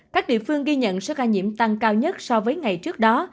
các địa phương ghi nhận số ca nhiễm tăng cao nhất so với ngày trước đó